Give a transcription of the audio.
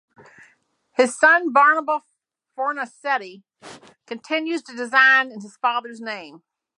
His son, Barnaba Fornasetti, continues to design in his father's name.